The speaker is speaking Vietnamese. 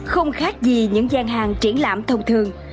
không khác gì những gian hàng triển lãm thông thường